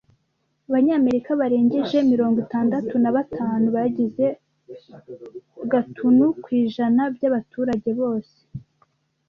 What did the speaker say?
Abanyamerika barengeje mirongo itandatu na batanu bagize gatunu ku ijana byabaturage bose.